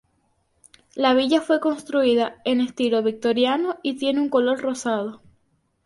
La villa fue construida en estilo victoriano y tiene un color rosado.